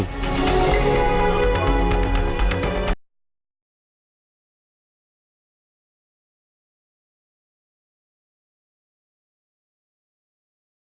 berita terkini mengenai cuaca ekstasi di jepang